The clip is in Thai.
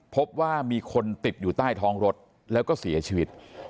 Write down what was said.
พบว่ามีคนติดอยู่ใต้ท้องรถแล้วก็เสียชีวิต